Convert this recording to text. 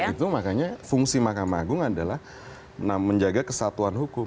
karena itu makanya fungsi mahkamah agung adalah menjaga kesatuan hukum